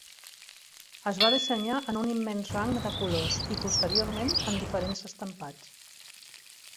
Es va dissenyar en un immens rang de colors i, posteriorment, en diferents estampats.